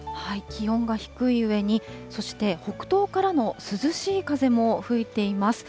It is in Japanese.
気温が低いうえに、そして北東からの涼しい風も吹いています。